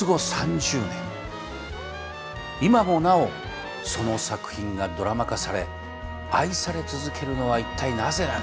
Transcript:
今もなおその作品がドラマ化され愛され続けるのは一体なぜなのか？